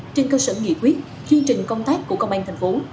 trên cơ sở nghị quyết chương trình công tác của công an tp